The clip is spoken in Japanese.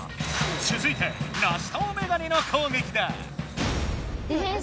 つづいてナシトウメガネの攻撃だ。